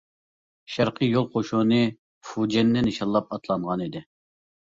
شەرقىي يول قوشۇنى فۇجيەننى نىشانلاپ ئاتلانغانىدى.